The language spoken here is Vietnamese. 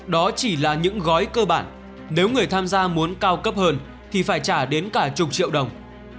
đó chỉ là những gói cơ bản nếu người tham gia muốn cao cấp hơn thì phải trả đến cả chục triệu đồng